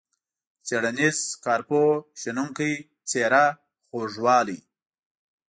څیړنیز، کارپوه ، شنونکی ، څیره، خوږوالی.